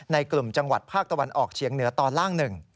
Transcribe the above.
ในกลุ่มจังหวัดภาคตะวันออกเฉียงเหนือตอนล่าง๑